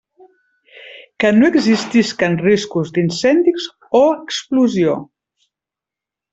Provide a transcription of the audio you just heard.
Que no existisquen riscos d'incendis o explosió.